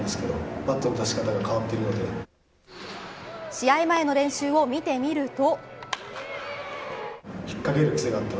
試合前の練習を見てみると。